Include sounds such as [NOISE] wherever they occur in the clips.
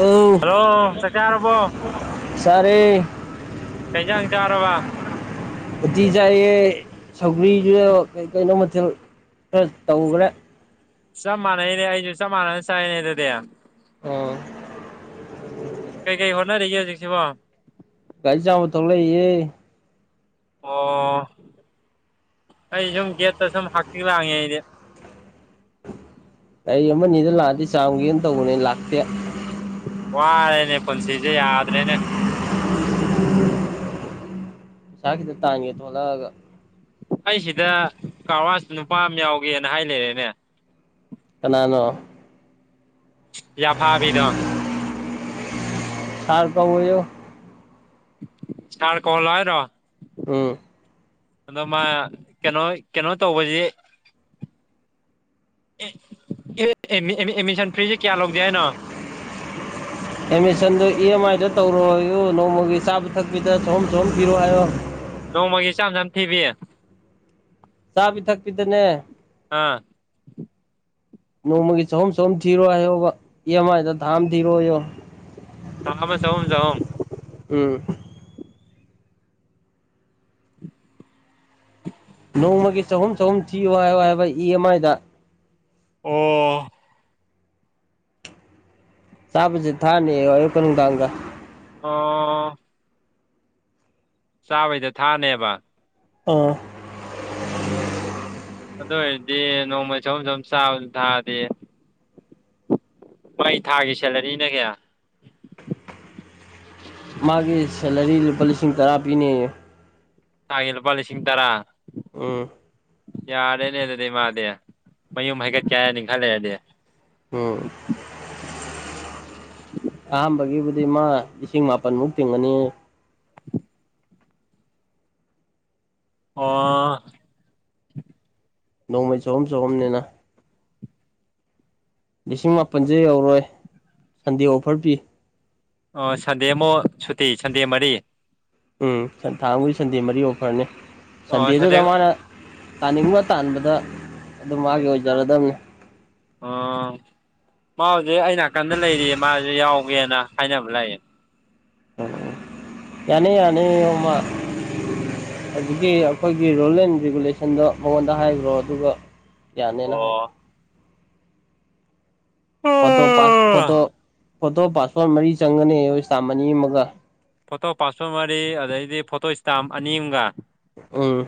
ꯑꯧ ꯍꯜꯂꯣ ꯆꯥꯛꯆꯥꯔꯕꯣ ꯆꯥꯔꯦ ꯀꯩꯖꯥꯡ ꯆꯔꯕ ꯎꯇꯤ ꯆꯥꯏꯌꯦ ꯁꯧꯒ꯭ꯔꯤꯁꯨ ꯀꯩꯅꯣ ꯃꯊꯦꯜ ꯈꯔ ꯇꯧꯒ꯭ꯔꯦ ꯆꯞ ꯃꯥꯟꯅꯩꯅꯦ ꯑꯩꯁꯨ ꯆꯞ ꯃꯥꯟꯅꯅ ꯆꯥꯏꯅꯦ ꯑꯗꯨꯗꯤ ꯑꯣ ꯀꯩ ꯀꯩ ꯍꯣꯠꯅꯔꯤꯒꯦ ꯍꯧꯖꯤꯛꯁꯤꯕꯣ ꯒꯥꯔꯤ ꯆꯥꯕ ꯊꯧ ꯂꯩꯌꯦ ꯑꯣ ꯑꯩ ꯁꯨꯝ ꯒꯦꯠꯇ ꯁꯨꯝ ꯍꯛꯆꯤ ꯂꯥꯡꯉꯦ ꯑꯩꯗꯤ ꯒꯥꯢ ꯑꯃꯅꯤꯗ ꯂꯥꯛꯑꯗꯤ ꯆꯥꯝꯒꯦꯅ ꯇꯧꯕꯅꯦ ꯂꯥꯛꯇꯦ ꯋꯥꯔꯦꯅꯦ ꯄꯨꯟꯁꯤꯖꯦ ꯌꯥꯗ꯭ꯔꯦꯅꯦ ꯆꯈꯤꯗ ꯇꯅꯤꯒꯤ ꯊꯣꯂꯒ ꯑꯩꯁꯤꯗ ꯀꯔꯋꯥꯁꯇ ꯅꯨꯄꯥ ꯑꯃ ꯌꯥꯎꯒꯦꯅ ꯍꯥꯏ ꯂꯩꯔꯦꯅꯦ ꯀꯅꯥꯅꯣ ꯌꯥꯐꯥꯕꯤꯗꯣ ꯁꯥꯔ ꯇꯧ [UNINTELLIGIBLE] ꯁꯥꯔ [UNINTELLIGIBLE] ꯍꯥꯏꯔꯣ ꯎꯝ ꯑꯗꯣ ꯃꯥ ꯀꯩꯅꯣ ꯀꯩꯅꯣ ꯇꯧꯕꯁꯤ [UNINTELLIGIBLE] ꯑꯦꯃꯤꯁꯟ ꯐꯔꯤꯁꯤ ꯀꯌꯥ ꯂꯧꯁꯤ [UNINTELLIGIBLE] [INAUDIBLE] ꯑꯦꯃꯤꯁꯟꯗꯨ ꯏ ꯑꯦꯝ ꯑꯥꯏꯗ ꯇꯧꯔꯣ ꯅꯣꯡꯃꯒꯤ ꯆꯥꯕ ꯊꯛꯄꯤꯗ ꯁꯣꯝ ꯁꯣꯝ ꯄꯤꯔꯣ ꯍꯥꯏꯌꯣ ꯅꯣꯡꯃꯒꯤ ꯆꯥꯝ ꯆꯝ ꯊꯤꯕꯤ ꯆꯥ ꯄꯤ ꯊꯛꯄꯤꯗꯅꯦ ꯑꯥ ꯅꯣꯡꯃꯒꯤ ꯆꯍꯨꯝ ꯆꯍꯨꯝ ꯊꯤꯔꯣ ꯍꯥꯏꯌꯣꯕ ꯏ ꯑꯦꯝ ꯑꯥꯏꯗ ꯊꯥ ꯑꯃ ꯊꯤꯔꯣꯑꯣ [UNINTELLIGIBLE] ꯎꯝ [INAUDIBLE] ꯅꯣꯡꯃꯒꯤ ꯆꯍꯨꯝ ꯆꯍꯨꯝ ꯊꯤꯌꯨ ꯍꯥꯏꯌꯨ ꯍꯥꯏꯕ ꯏ ꯑꯦꯝ ꯑꯥꯏꯗ ꯑꯣ ꯆꯥꯕꯁꯤ ꯊꯥꯅꯤ [UNINTELLIGIBLE] ꯅꯨꯡꯗꯥꯡꯒ ꯑꯣ ꯆꯥꯕꯩꯗ ꯊꯥꯅꯦꯕ ꯑꫭ ꯑꯗꯨ ꯑꯣꯏꯔꯗꯤ ꯅꯣꯡꯃꯩ [UNINTELLIGIBLE] ꯆꯥꯕ ꯊꯥꯔꯗꯤ ꯃꯥꯏ ꯊꯥꯒꯤ ꯁꯦꯂꯔꯤꯅ ꯀꯌꯥ ꯃꯥꯒꯤ ꯁꯦꯂꯔꯤ ꯂꯨꯄꯥ ꯂꯤꯁꯤꯡ ꯇꯔꯥ ꯄꯤꯅꯤꯌꯦ ꯊꯥꯒꯤ ꯂꯨꯄꯥ ꯂꯤꯁꯤꯡ ꯇꯔꯥ ꯎꯝ ꯌꯥꯔꯦꯅꯦ ꯑꯗꯨꯗꯤ ꯏ ꯃꯥꯗꯤ ꯃꯌꯨꯝ ꯍꯥꯏꯩꯀꯠꯀꯦ ꯍꯥꯏꯅꯤ ꯈꯔ ꯂꯩꯔꯥꯗꯤ [UNINTELLIGIBLE] ꯑꯍꯥꯟꯕꯒꯤꯕꯨꯗꯤ ꯃꯥ ꯂꯤꯁꯤꯡ ꯃꯥꯄꯜꯃꯨꯛ ꯇꯤꯡꯉꯅꯤ ꯑꯣ ꯅꯣꯡꯃꯩ ꯆꯍꯨꯝ ꯆꯍꯨꯝꯅꯤꯅ ꯂꯤꯁꯤꯡ ꯃꯥꯄꯜꯁꯦ ꯌꯧꯔꯣꯏ ꯁꯟꯗꯦ ꯑꯣꯐꯔ ꯄꯤ ꯑꯣ ꯁꯟꯗꯦ ꯑꯃꯨꯛ ꯁꯨꯇꯤ ꯁꯟꯗꯦ ꯃꯔꯤ ꯎꯝ ꯊꯥꯡ ꯑꯃꯒꯤ ꯁꯟꯗꯦ ꯃꯔꯤ ꯑꯣꯐꯔꯅꯤ ꯑꯣ ꯁꯟꯗꯦ ꯁꯟꯗꯦꯗꯨꯗ ꯃꯥꯅ ꯇꯥꯅꯤꯡꯕ ꯇꯥꯟꯕꯗ ꯑꯗꯨꯝ ꯃꯥꯒꯤ ꯑꯣꯏꯖꯔꯗꯕꯅꯤ ꯑꯣ ꯃꯥ ꯍꯧꯁꯦ ꯑꯩ ꯅꯥꯀꯟꯗ ꯂꯩꯔꯤꯌꯦ ꯃꯥꯁꯨ ꯌꯥꯎꯒꯦꯅ ꯍꯥꯏꯥꯏꯅꯕ ꯂꯩ ꯌꯥꯅꯤ ꯌꯥꯅꯤ ꯑꯣꯃ ꯑꯗꯨꯗꯤ ꯑꯩꯈꯣꯏꯒꯤ ꯔꯨꯜ ꯑꯦꯟ ꯔꯤꯒꯨꯂꯦꯁꯟꯗꯣ ꯃꯉꯣꯟꯗ ꯍꯥꯏꯈ꯭ꯔꯣ ꯑꯗꯨꯒ ꯌꯥꯅꯅ ꯍꯥꯏ ꯑꯣ ꯐꯣꯇꯣ ꯐꯣꯇꯣ ꯐꯣꯇꯣ ꯄꯥꯁꯋꯥꯗ ꯃꯔꯤ ꯆꯪꯒꯅꯤ ꯑꯩꯣꯏꯁꯇꯥꯃ ꯑꯅꯤ ꯑꯃꯒ ꯐꯣꯇꯣ ꯄꯥꯁꯋꯥꯗ ꯃꯔꯤ ꯑꯗꯩꯗꯤ ꯐꯣꯇꯣ ꯏꯁꯇꯥꯝ ꯑꯅꯤ ꯑꯝꯒ ꯎꯝ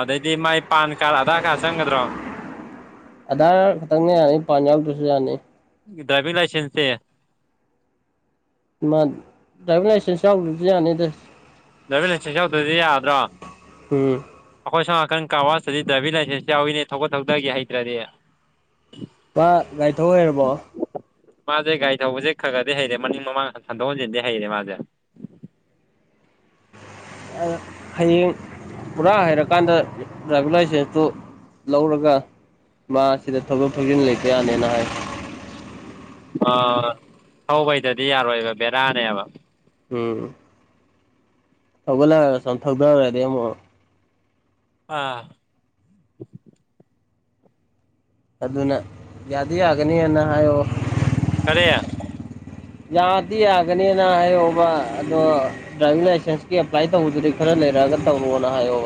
ꯑꯗꯩꯗꯤ ꯃꯥꯏ ꯄꯥꯟ ꯀꯥꯔꯗ ꯑꯙꯥꯔ ꯀꯥꯔꯗ ꯆꯪꯒꯗ꯭ꯔꯣ ꯑꯗꯥꯥ ꯈꯇꯪꯅ ꯌꯥꯅꯤ ꯄꯥꯟ ꯌꯥꯎꯛꯇ꯭ꯔꯁꯨ ꯌꯥꯅꯤ ꯗ꯭ꯔꯥꯏꯕꯤꯡ ꯂꯥꯏꯁꯦꯟꯁꯦ ꯗ꯭ꯔꯥꯏꯚꯤꯡ ꯂꯥꯏꯁꯦꯟꯁꯁ ꯌꯥꯎꯗꯗꯤ ꯌꯥꯅꯤꯗꯦ ꯗ꯭ꯔꯥꯏꯚꯤꯡ ꯂꯥꯏꯁꯦꯟꯁ ꯌꯥꯎꯗ꯭ꯔꯗꯤ ꯌꯥꯗ꯭ꯔꯣ ꯎꯝ ꯑꯩꯈꯣꯏ ꯁꯅꯥꯀꯟ ꯀꯥꯋꯥꯇꯗꯤ ꯗ꯭ꯔꯥꯏꯚꯤꯡ ꯂꯥꯏꯁꯦꯟꯁ ꯌꯥꯎꯋꯅꯦ ꯊꯧꯒꯠ ꯊꯧꯗꯒꯤ ꯍꯩꯇ꯭ꯔꯗꯤ [UNINTELLIGIBLE] ꯒꯥꯔꯤ ꯊꯧꯍꯩꯔꯕꯣ ꯃꯥꯁꯦ ꯒꯥꯔꯤ ꯊꯧꯕꯁꯦ ꯈꯔ ꯈꯗꯤ ꯍꯩꯔꯦ ꯃꯅꯤꯡ ꯃꯃꯥꯡ ꯁꯟꯗꯣꯛ ꯍꯟꯖꯤꯟꯗꯤ ꯍꯩꯔꯦ ꯃꯥꯁꯦ ꯍꯌꯦꯡ ꯄꯨꯔꯥ ꯍꯩꯔꯀꯥꯟꯗ ꯗ꯭ꯔꯥꯏꯚꯤꯡ ꯂꯥꯏꯁꯦꯟꯁꯇꯨ ꯂꯧꯔꯒ ꯃꯥ ꯁꯤꯗ ꯊꯧꯗꯣꯛ ꯊꯧꯖꯤꯟ ꯂꯩꯕ ꯌꯥꯅꯦꯅ ꯍꯥꯏ ꯑ ꯊꯧꯕꯩꯗꯗꯤ ꯌꯥꯔꯣꯏꯕ ꯕꯦꯔꯥꯅꯦꯕ ꯎꯝ ꯊꯒ ꯂꯒꯦ ꯁꯣꯟ ꯊꯣꯛꯗꯔꯦꯗ ꯑꯃꯛ ꯑꯥ ꯑꯗꯨꯅ ꯌꯥꯗꯤ ꯌꯥꯒꯅꯤꯅ ꯍꯥꯏꯌꯣ ꯀꯔ ꯌꯥꯗꯤ ꯌꯥꯒꯅꯤꯅ ꯍꯥꯏꯌꯕ ꯑꯗꯣ ꯗ꯭ꯔꯥꯏꯕꯤꯡ ꯂꯥꯏꯁꯦꯟꯁꯀꯤ ꯑꯦꯄ꯭ꯂꯥꯏ ꯇꯧꯗꯗꯤ ꯈꯔ ꯂꯩꯔꯒ ꯇꯧꯔꯨꯣꯅ ꯍꯥꯏꯌꯣ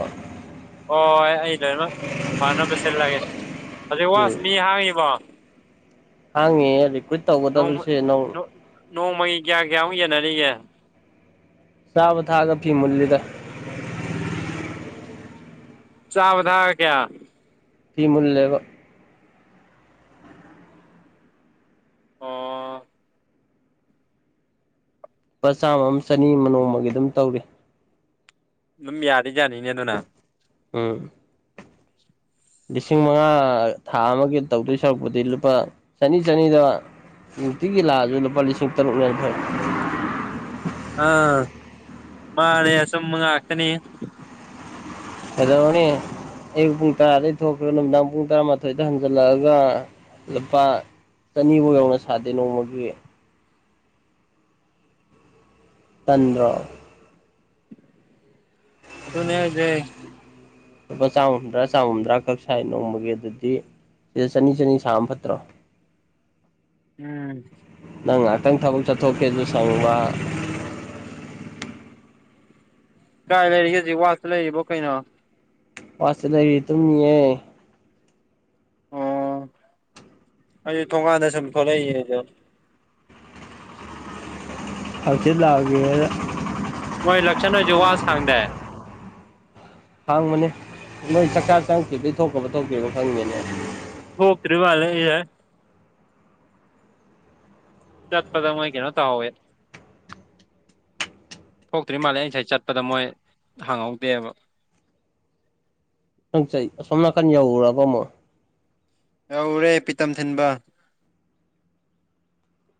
ꯍꯣꯏ ꯑꯩ ꯂꯣꯏꯅꯃꯛ ꯐꯅꯕ ꯁꯤꯜꯂꯒꯦ ꯍꯧꯖꯤꯛ ꯋꯥꯁ ꯃꯤ ꯍꯥꯡꯉꯤꯕꯣ ꯍꯥꯡꯉꯦꯜꯂꯤ ꯅꯣꯡꯃ ꯅꯣꯡꯃꯒꯤ ꯀꯌꯥ ꯀꯌꯥꯃꯨꯛ ꯌꯦꯟꯅꯔꯤꯒꯦ ꯁꯥꯕ ꯊꯥꯑꯒ ꯐꯤ ꯃꯨꯔꯂꯤꯗ ꯆꯥꯕ ꯊꯥꯒ ꯀꯌꯥ ꯀꯤꯃꯨꯜꯦꯕ ꯑ ꯂꯨꯄꯥ ꯆꯥꯝꯃꯝ ꯆꯅꯤ ꯑꯃ ꯅꯣꯡꯃꯒꯤ ꯑꯗꯨꯝ ꯇꯧꯔꯤ ꯑꯗꯨꯝ ꯌꯥꯗꯤ ꯌꯥꯅꯤꯅꯦ ꯑꯗꯨꯅ ꯎꯝ ꯂꯤꯁꯤꯡ ꯃꯉꯥ ꯊꯥ ꯑꯃꯒꯤ ꯇꯧꯗꯣꯏ ꯁꯔꯨꯛꯄꯗꯤ ꯂꯨꯄꯥ ꯆꯅꯤ ꯆꯅꯤꯗ ꯅꯨꯡꯇꯤꯒꯤ ꯂꯥ ꯑꯗꯨ ꯂꯨꯄꯥ ꯂꯤꯁꯤꯡ ꯇꯔꯨꯛ ꯌꯥꯅꯤꯈꯩ ꯑ ꯃꯥꯦꯁꯃꯒ ꯍꯥꯥꯛꯇꯅꯤ ꯍꯗꯣꯅꯤ ꯑꯌꯨꯛ ꯄꯨꯡ ꯇꯔꯥꯗꯒꯤꯩ ꯊꯣꯛꯈ꯭ꯔꯦ ꯅꯨꯃꯤꯗꯥꯡ ꯄꯨꯡ ꯇꯔꯥꯃꯥꯊꯣꯏꯗ ꯍꯟꯖꯜꯂꯛꯑꯒ ꯂꯨꯄꯥ ꯆꯅꯤꯐꯧ ꯌꯧꯅ ꯁꯥꯗꯦ ꯅꯣꯡꯃꯒꯤ ꯄꯟꯗ꯭ꯔ ꯑꯗꯨ ꯑꯗꯨꯅꯦꯦ ꯂꯨꯄꯥ ꯆꯥꯝ ꯍꯨꯝꯗ꯭ꯔꯥ ꯆꯥꯝꯃꯨꯝꯗ꯭ꯔꯥ ꯈꯛ ꯁꯥꯏ ꯅꯣꯡꯃꯒꯤ ꯑꯗꯨꯗꯤ ꯁꯤꯗ ꯆꯅꯤ ꯆꯅꯤ ꯁꯥꯕ ꯐꯠꯇ꯭ꯔꯣ ꯎꯝ ꯅꯪ ꯉꯥꯏꯍꯥꯛꯇꯪ ꯊꯕꯛ ꯆꯠꯊꯣꯛꯀꯦꯁꯨ ꯁꯪꯨꯕ ꯀꯥꯏ ꯂꯩꯔꯤꯒꯦ ꯍꯧꯖꯤꯛ ꯋꯥꯠꯇ ꯂꯩꯔꯤꯕꯣ ꯀꯩꯅꯣ ꯋꯥꯁꯤ ꯂꯩꯔꯤ ꯃꯇꯨꯡ ꯌꯦꯦ ꯑꯥ ꯑꯩ ꯊꯣꯡꯀꯥꯟꯗ ꯁꯨꯝ ꯊꯣꯛꯂꯛꯏꯌꯦ ꯗꯨꯝ ꯍꯪꯆꯤꯠ ꯂꯥꯛꯑꯒꯦꯅ ꯃꯣꯏ ꯂꯛꯁꯤꯟꯗꯣꯏꯁꯦ ꯋꯥ ꯁꯥꯡꯗꯦ ꯍꯥꯡꯕꯅꯦ ꯅꯣꯏ ꯆꯥꯛꯆꯥ ꯆꯪꯉꯈꯤꯕꯗꯩ ꯊꯣꯛꯒ꯭ꯔꯕꯥ ꯊꯣꯛꯇꯔꯤꯕꯥ ꯈꯪꯗꯦꯅꯦ ꯊꯣꯛꯇꯔꯤ ꯃꯥꯜꯂꯦ [INAUDIBLE] ꯆꯠꯄꯗ ꯃꯣꯢ ꯀꯩꯅꯣ ꯇꯧꯍꯧꯋꯦ ꯊꯣꯛꯇ꯭ꯔꯤ ꯃꯥꯜꯂꯦ ꯑꯩ ꯉꯁꯥꯏ ꯆꯠꯄꯗ ꯃꯣꯏ ꯍꯪꯍꯧꯗꯦꯕ ꯅꯪꯁꯩ ꯑꯁꯣꯝ ꯅꯥꯀꯥꯟ ꯌꯎꯔꯕ ꯑꯃꯣ ꯌꯧꯔꯦ ꯄꯤꯇꯝ ꯊꯤꯟꯕ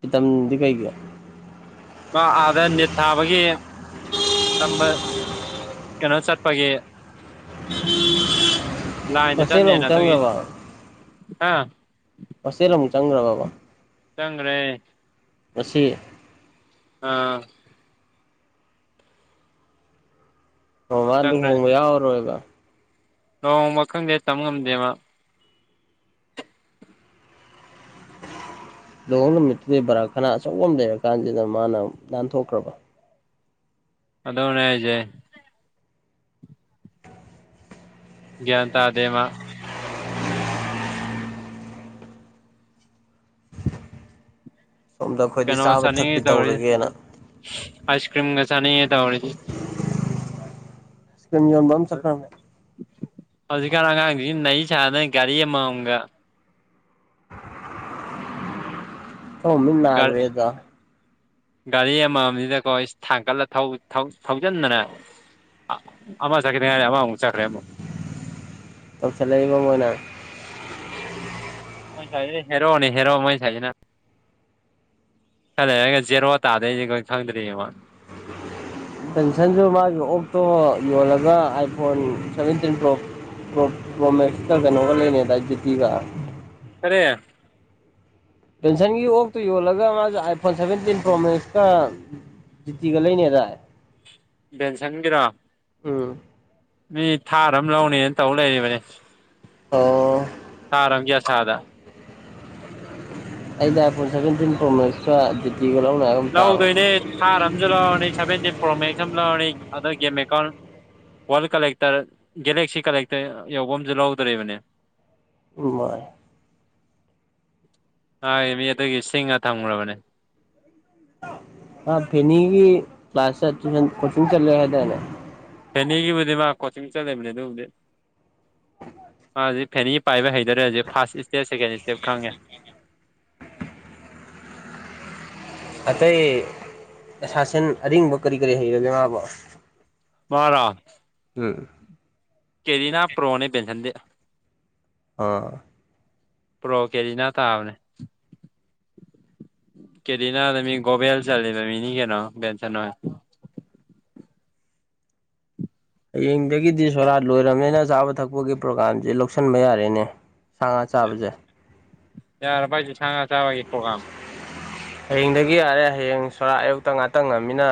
ꯐꯇꯝꯗꯤ ꯀꯩꯒꯤ ꯃꯥ ꯑꯥꯗ ꯅꯤꯠ ꯊꯥꯕꯒꯤ ꯇꯝꯕ ꯀꯩꯅꯣ ꯆꯠꯄꯒꯤꯦ ꯂꯥꯏꯗ ꯍꯣꯁꯇꯦꯜ ꯆꯅ ꯑꯃꯨꯛ ꯑꯗꯨ ꯆꯪꯈ꯭ꯔꯕ ꯍꯥ ꯄꯁꯦꯜ ꯑꯃꯨꯛ ꯆꯪꯈ꯭ꯔꯒꯀꯣ ꯆꯪꯒ꯭ꯔꯦ ꯉꯁꯤ ꯑꯥ ꯑꯣ ꯃꯥ ꯂꯨꯍꯣꯡꯕ ꯌꯥꯎꯔꯔꯣꯏꯕ ꯂꯨꯍꯣꯡꯕ ꯈꯪꯗꯦ ꯇꯝꯕ ꯉꯝꯗꯦ ꯃꯥ ꯂꯨꯍꯣꯡ ꯅꯨꯃꯤꯠꯇꯨꯗꯤ ꯕꯔꯥ ꯈꯅꯥ ꯑꯆꯧꯕ ꯑꯃ ꯂꯩꯔ ꯀꯥꯟꯁꯤꯗ ꯃꯥꯅ ꯅꯥꯟꯊꯣꯛꯈ꯭ꯔꯕꯥ ꯑꯗꯣꯅꯦ ꯍꯥꯏꯖꯦ ꯒꯤꯌꯥꯟ ꯇꯥꯗꯦ ꯃꯥ ꯁꯣꯝꯗ ꯑꯩꯈꯣꯏꯗꯤ ꯆꯥꯕ ꯊꯛꯄꯤ ꯇꯧꯔꯒꯦꯅ ꯑꯥꯏꯁꯀ꯭ꯔꯤꯝꯒ ꯆꯅꯤꯡꯉꯦ ꯇꯧꯔꯤꯁꯦ ꯀꯝ ꯌꯟꯝ ꯆꯈ꯭ꯔꯃꯦ [INAUDIBLE] ꯍꯧꯖꯤꯛꯀꯥꯟ ꯑꯉꯥꯡꯁꯤꯡꯁꯤꯅ ꯅꯩ ꯁꯗꯅ ꯒꯥꯔꯤ ꯑꯃꯃꯝꯒ ꯑꯣꯟꯊꯣꯛꯅꯥ ꯃꯤꯠ ꯅꯥꯀ꯭ꯔꯦꯗꯣ ꯒꯥꯔꯤ ꯑꯃꯝꯗꯀꯣ ꯊꯥꯡꯒꯠꯂ ꯊꯧꯖꯤꯟꯗꯅ ꯑꯃ ꯆꯠꯈꯤꯗ ꯌꯥꯢꯔꯤ ꯑꯃ ꯑꯃꯨꯛ ꯆꯠꯈ꯭ꯔꯦ ꯇꯧꯁꯤꯜꯂꯥꯛꯢꯕꯥ ꯃꯣꯏꯅ ꯃꯣꯏ ꯁꯥꯢꯁꯤ ꯍꯦꯔꯣ ꯅꯤ ꯍꯦꯔꯣ ꯃꯣꯢ ꯁꯥꯏꯁꯤꯅꯥ ꯈꯔ ꯂꯩꯔ ꯖꯦꯔꯣ ꯇꯥꯗꯨꯢꯅꯦ ꯈꯪꯗ꯭ꯔꯤꯌꯦ ꯃꯣꯢ ꯁꯝꯁꯪꯁꯨ ꯃꯥꯒꯤ ꯑꯣꯞꯛꯇꯣ ꯌꯣꯜꯂꯒ ꯑꯥꯏꯐꯣꯟ ꯁꯚꯦꯟꯇꯤꯟ ꯄ꯭ꯔꯣ ꯄꯔꯣꯃꯦꯁꯇ ꯀꯩꯅꯣꯒ ꯂꯩꯅꯤꯗꯥꯢ ꯖꯤꯇꯤꯒ ꯀꯔꯤ ꯖꯣꯟꯁꯟꯒꯤ ꯑꯣꯛꯇꯨ ꯌꯣꯜꯂꯒ ꯃꯥꯁꯨ ꯑꯥꯏꯐꯣꯟ ꯁꯚꯦꯟꯇꯤꯟ ꯄ꯭ꯔꯣ ꯃꯦꯛꯁꯀ ꯖꯤꯇꯤꯒ ꯂꯩꯅꯦꯗꯥꯢ ꯖꯦꯟꯁꯥꯟꯒꯤꯔꯣ ꯎꯝ ꯃꯤ ꯊꯥꯔ ꯑꯃ ꯂꯧꯅꯦꯅ ꯇꯧ ꯂꯩꯔꯤꯕꯅꯦ ꯑꯣ ꯊꯥꯔ ꯑꯃꯒꯤ ꯑꯁꯥꯗ ꯑꯩꯩꯅ ꯑꯥꯢꯐꯣꯟ ꯁꯚꯦꯟꯇꯤꯟ ꯄꯔꯣ ꯃꯦꯛꯁꯒ ꯀꯒꯂꯣꯨꯅ [INAUDIBLE] ꯂꯧꯗꯣꯏꯅꯦ ꯊꯥꯔ ꯑꯃꯁꯨ ꯂꯧꯔꯅꯤ ꯁꯚꯦꯟꯇꯤꯟ ꯄ꯭ꯔꯣ ꯃꯦꯛꯁ ꯑꯃ ꯂꯧꯔꯅꯤ ꯑ game account world collector galaxy collector ꯌꯧꯕ ꯑꯃꯁꯨ ꯂꯧꯗꯣꯔꯤꯕꯅꯦ ꯢꯃꯩ ꯍꯥꯢ ꯃꯤ ꯑꯗꯨꯒꯤ ꯁꯤꯡꯉ ꯊꯝꯈ꯭ꯔꯕꯅꯦ ꯃꯥ ꯐꯚꯦꯅꯤꯒꯤ ꯀ꯭ꯂꯥꯁ ꯀꯣꯆꯤꯡ ꯆꯠꯂꯦ ꯍꯥꯏꯗꯥꯢꯅꯦ ꯐꯦꯅꯤꯒꯤꯕꯨꯗꯤ ꯃꯥ ꯀꯣꯆꯤꯡ ꯆꯠ ꯂꯩꯕꯅꯦ ꯑꯗꯨꯕꯨꯗꯤ ꯑꯖꯤꯛ ꯐꯦꯅꯤ ꯄꯥꯏꯕ ꯍꯩꯗꯔꯦ ꯍꯧꯛ ꯐꯥꯔꯁ ꯏꯁꯇꯦꯞ ꯁꯦꯀꯦꯟ ꯏꯁꯇꯦꯞ ꯈꯪꯉꯦ ꯑꯇꯩ ꯁꯥ ꯁꯟ ꯑꯔꯤꯡꯕ ꯀꯔꯤ ꯀꯔꯤ ꯍꯩꯔꯒꯦ ꯃꯥꯕꯣ ꯃꯥꯔꯥ ꯎꯝ ꯀꯦꯔꯤꯅ ꯄ꯭ꯔꯣꯅꯦ ꯦꯟꯁꯤꯟꯗꯦ ꯑꯥ ꯄ꯭ꯔꯣ ꯀꯦꯔꯤꯅꯥ ꯇꯥꯕꯅꯦ ꯀꯦꯗꯦꯅꯗ ꯃꯤ ꯒꯣꯕꯦꯜ ꯆꯂꯤ ꯃꯤꯅꯤ ꯀꯩꯅꯣ ꯕꯦꯟꯁꯥꯟ ꯍꯣꯢ ꯍꯌꯦꯡꯗꯒꯤꯗꯤ ꯁꯣꯔꯥꯠ ꯂꯣꯏꯔꯕꯅꯤꯅ ꯆꯥꯕ ꯊꯛꯄꯒꯤ ꯄ꯭ꯔꯣꯒꯥꯝꯁꯦ ꯂꯧꯁꯤꯟꯕ ꯌꯥꯔꯦꯅꯦ ꯁꯥ ꯉꯥ ꯆꯥꯕꯁꯦ ꯌꯥꯔꯕꯥ ꯍꯥꯏꯖꯦ ꯁꯥ ꯉꯥ ꯆꯕꯒꯤ ꯄ꯭ꯔꯣꯒ꯭ꯔꯝ ꯍꯌꯦꯡꯗꯒꯤ ꯌꯥꯔꯦ ꯍꯌꯦꯡ ꯁꯣꯔꯥꯛ ꯑꯌꯨꯛꯇ ꯉꯥꯛꯇꯪ ꯉꯝꯅꯤꯅ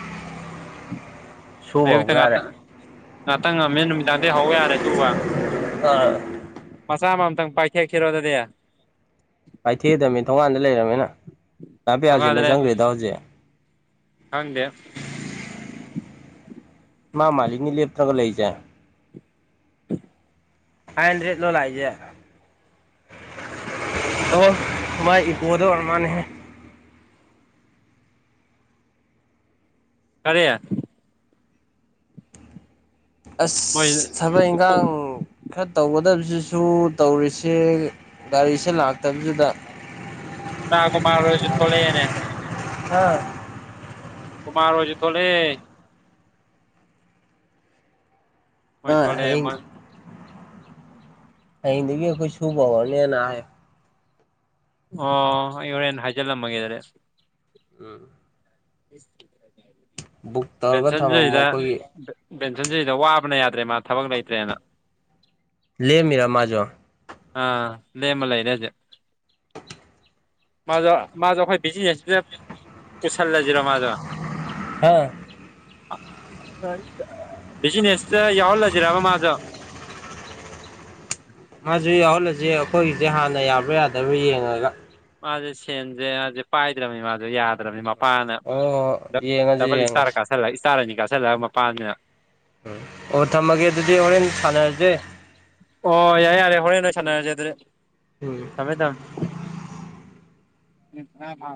[UNINTELLIGIBLE] ꯑꯌꯨꯛꯇ ꯍꯧꯕ ꯌꯥꯔꯦ ꯉꯥꯛꯇꯪ ꯉꯥꯛꯇꯪ ꯉꯝꯃꯦ ꯅꯨꯃꯤꯗꯥꯡꯗꯒꯤ ꯍꯧ ꯌꯥꯔꯦ ꯁꯨꯕ ꯃꯁꯥ ꯑꯃꯝꯃꯇꯥ ꯄꯥꯏꯊꯦꯛꯁꯤꯔꯣ ꯑꯗꯨꯗꯤ ꯄꯥꯏꯊꯦꯛꯑꯗꯕꯅꯤ ꯊꯣꯡꯉꯥꯟꯗ ꯂꯩꯔꯝꯃꯤꯅ ꯀꯥ ꯄꯤꯌꯥꯆꯤꯠꯂ ꯆꯪꯈ꯭ꯔꯤꯗꯣ ꯍꯧꯖꯤꯛ ꯍꯪꯗꯦ ꯃꯥ ꯃꯥꯂꯤꯛꯅꯤ ꯂꯦꯞꯇ꯭ꯔꯒ ꯂꯩꯖꯦ ꯎ ꯐꯥꯏꯟ ꯔꯠꯂꯣ ꯂꯥꯛꯖꯦ ꯑꯃꯥꯏ ꯏꯕꯨꯗ ꯑꯔꯃꯅꯦꯍ ꯀꯔꯦ ꯑꯁ ꯃꯣꯏ ꯊꯕꯛ ꯏꯪꯒꯥꯡ ꯈꯔ ꯇꯧꯒꯗꯕꯁꯤꯁꯨ ꯇꯧꯔꯤꯁꯦ ꯒꯥꯔꯤꯁꯦ ꯂꯥꯛꯇꯕꯁꯤꯗ ꯇꯥ ꯀꯨ ꯃꯥꯔꯣꯏꯁ ꯊꯣꯛꯂꯅꯦ ꯍ ꯀꯨꯃꯥ ꯑꯣꯏꯖꯤ ꯊꯂꯦ ꯃꯣꯏ ꯊꯣ ꯍꯌꯦꯡ ꯍꯌꯦꯡꯗꯒꯤ ꯑꯩꯈꯣꯏ ꯁꯨꯕ ꯍꯧꯔꯅꯦꯅ ꯍꯥꯏ ꯑꯣ ꯏꯧꯔꯦꯟ ꯍꯖꯂ ꯃꯒꯗꯔꯦ ꯎꯝ ꯕꯨꯛ ꯇꯧꯔꯒ [UNINTELLIGIBLE] ꯦꯟꯁꯟ ꯊꯝꯃꯝꯃꯣ ꯆꯗ ꯑꯩꯈꯣꯏꯒꯤ ꯄꯦꯟꯁꯟꯁꯤꯗ ꯋꯥꯕꯅ ꯌꯥꯗ꯭ꯔꯦ ꯃꯥ ꯊꯕꯛ ꯂꯩꯇ꯭ꯔꯦꯅ ꯂꯩꯃꯤꯔꯥ ꯃꯥꯖꯣ ꯑ ꯂꯦꯃ ꯂꯩ ꯔꯖꯦ [INAUDIBLE] ꯃꯥ ꯃꯥꯖꯈꯣꯏ ꯖꯤꯅꯦꯁ ꯀꯁꯜꯂꯖꯔꯣ ꯃꯥꯖ ꯍ ꯕꯤꯖꯤꯅꯦꯁꯇ ꯌꯥꯎꯍꯜꯂꯁꯤꯔꯕ ꯃꯥꯗꯣ ꯃꯥꯁꯨ ꯌꯥꯎꯍꯜꯂꯁꯤ ꯑꯩꯈꯣꯏꯒꯤꯁꯦ ꯍꯥꯟꯅ ꯌꯥꯕ꯭ꯔꯥ ꯌꯥꯗꯕ꯭ꯔꯥ ꯌꯦꯡꯉꯒ ꯃꯥꯁꯦ ꯁꯦꯟꯁꯦ ꯃꯥꯁꯦ ꯄꯥꯏꯗ꯭ꯔꯕꯅꯤ ꯃꯥꯁꯦ ꯌꯥꯗ꯭ꯔꯕꯅꯤ ꯃꯄꯥꯅ ꯑꯣ ꯌꯦꯡꯉꯁꯤ ꯗꯕꯜ ꯏꯁꯇꯥꯔ ꯌꯦꯡꯉꯁꯤ ꯀꯥꯥꯁꯜꯂꯒ ꯏꯁꯇꯥꯔ ꯑꯅꯤ ꯀꯥꯥꯁꯜꯂꯒ ꯃꯄꯥꯅ ꯎꯝ ꯑꯣ ꯊꯝꯃꯒꯦ ꯑꯗꯨꯗꯤ ꯍꯣꯔꯦꯟ ꯁꯥꯟꯅꯔꯁꯦ ꯑꯣ ꯌꯥꯔꯦ ꯌꯥꯔꯦ ꯍꯣꯔꯦꯟ ꯅꯣꯏ ꯁꯥꯟꯅꯔꯁꯦ ꯑꯗꯨꯦ ꯎꯝ ꯊꯃꯦ ꯊꯝ